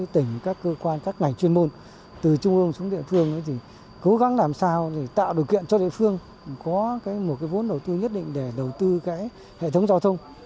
tỉnh các cơ quan các ngành chuyên môn từ trung ương xuống địa phương cố gắng làm sao tạo điều kiện cho địa phương có một vốn đầu tư nhất định để đầu tư hệ thống giao thông